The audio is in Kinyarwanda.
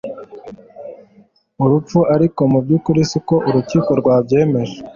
urupfu ariko mubyukuri siko urukiko rwabyemeje